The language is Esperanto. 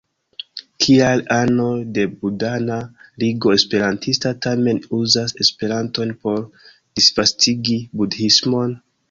Kial anoj de Budhana Ligo Esperantista tamen uzas Esperanton por disvastigi budhismon?